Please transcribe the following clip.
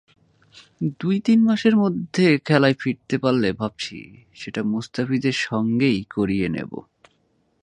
দুই-তিন মাসের মধ্যে খেলায় ফিরতে পারলে ভাবছি সেটা মুস্তাফিজের সঙ্গেই করিয়ে নেব।